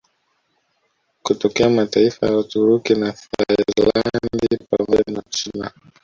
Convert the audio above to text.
Kutokea mataifa ya Uturuki na Thailandi pamoja na Uchina